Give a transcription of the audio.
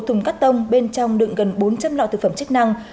một thùng cắt tông bên trong đựng gần bốn trăm linh lọ thực phẩm chức năng